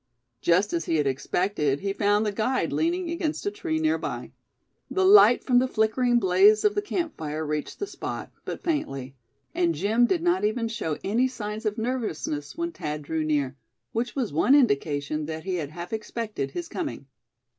Just as he had expected he found the guide leaning against a tree near by. The light from the flickering blaze of the camp fire reached the spot, but faintly; and Jim did not even show any signs of nervousness when Thad drew near, which was one indication that he had half expected his coming.